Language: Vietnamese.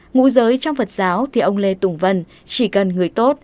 ngũ giới trong phật giáo thì ông lê tùng vân chỉ cần người tốt